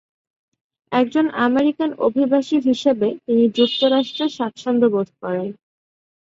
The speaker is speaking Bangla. একজন আমেরিকান অভিবাসী হিসাবে তিনি যুক্তরাষ্ট্রে স্বাচ্ছন্দ্যবোধ করেন।